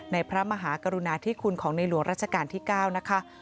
พระมหากรุณาธิคุณของในหลวงราชการที่๙นะคะ